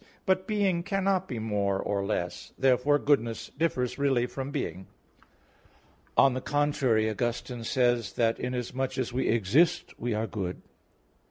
But being cannot be more or less. Therefore goodness differs really from being. On the contrary, Augustine says (De Doctr. Christ. i, 42) that, "inasmuch as we exist we are good."